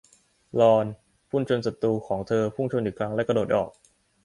ลอนพุ่งชนศัตรูของเธอพุ่งชนอีกครั้งแล้วกระโดดออก